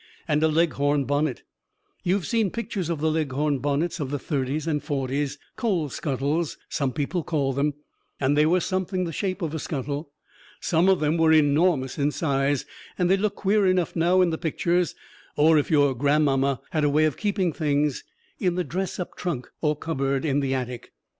and a Leghorn bonnet. You have seen pictures of the Leghorn bonnets of the Thirties and Forties; "coal scuttles," some people called them, and they were something the shape of a scuttle. Some of them were enormous in size, and they look queer enough now in the pictures, or if your grandmamma had a way of keeping things in the "dress up" trunk or cupboard in the attic.